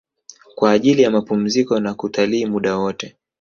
Kwa ajili ya mapumziko na kutalii muda wote